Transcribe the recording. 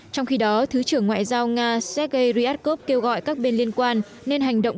trong khi đó thứ trưởng ngoại giao nga sergei ryabkov kêu gọi các bên liên quan nên hành động